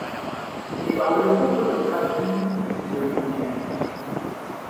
Et dans le fond de votre azur une lumière.